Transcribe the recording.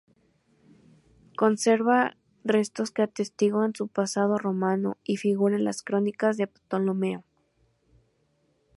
Conserva restos que atestiguan su pasado romano y figura en las crónicas de Ptolomeo.